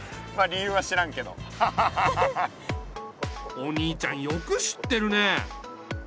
お兄ちゃんよく知ってるね。